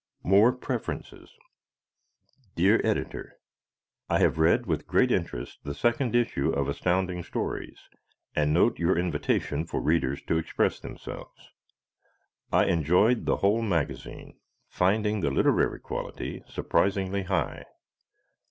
More Preferences Dear Editor: I have read with great interest the second issue of Astounding Stories and note your invitation for readers to express themselves. I enjoyed the whole magazine, finding the literary quality surprisingly high.